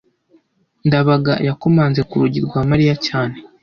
ndabaga yakomanze ku rugi rwa mariya cyane